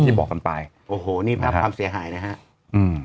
บอกกันไปโอ้โหนี่ภาพความเสียหายนะฮะอืม